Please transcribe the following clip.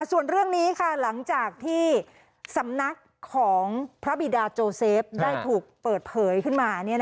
ส่วนเรื่องนี้ค่ะหลังจากที่สำนักของพระบิดาโจเซฟได้ถูกเปิดเผยขึ้นมา